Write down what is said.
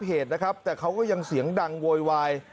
เหตุนะครับแต่เขาก็ยังเสียงดังโวยวาย